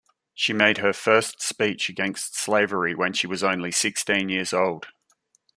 She made her first speech against slavery when she was only sixteen years old.